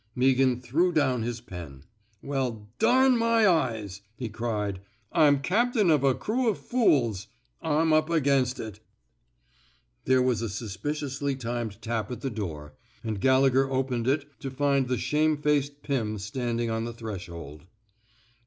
Meaghan threw down his pen. Well, dam my eyes," he cried. I'm captain of a crew of fools. I'm up against itl " There was a suspiciously timely tap at the door, and Gallegher opened it to find the shamefaced Pim standing on the threshold.